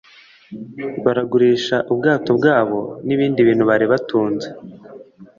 baragurisha ubwato bwabo n'ibindi bintu bari batunze.